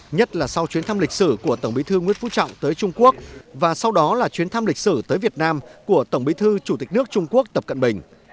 nhất là sau chuyến thăm lịch sử của tổng bí thư nguyễn phú trọng tới trung quốc và sau đó là chuyến thăm lịch sử tới việt nam của tổng bí thư chủ tịch nước trung quốc tập cận bình